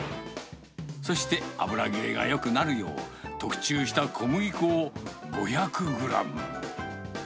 そして油切れがよくなるよう、特注した小麦粉を５００グラム。